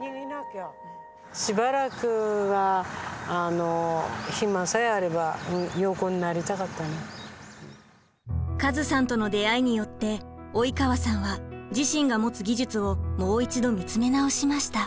しばらくはカズさんとの出会いによって及川さんは自身が持つ技術をもう一度見つめ直しました。